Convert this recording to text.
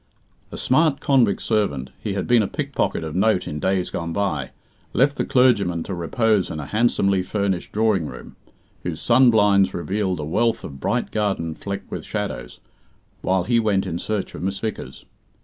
A smart convict servant he had been a pickpocket of note in days gone by left the clergyman to repose in a handsomely furnished drawing room, whose sun blinds revealed a wealth of bright garden flecked with shadows, while he went in search of Miss Vickers.